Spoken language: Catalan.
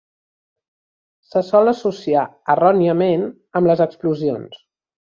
Se sol associar, erròniament, amb les explosions.